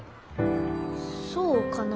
そうかな？